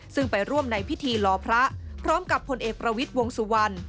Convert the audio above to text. ซึ่งไปร่วมในพิธีรอพระพร้อมกับผลเอกประวิทย์วงสุวรรณ